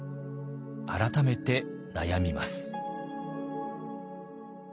改めて悩みます。